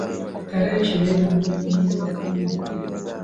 Tarehe ishirini na moja mwezi wa kumi na mbili